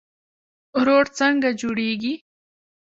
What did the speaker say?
روټ څنګه جوړیږي؟